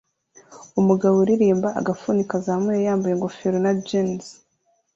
Umugabo uririmba agafuni kazamuye yambaye ingofero na jans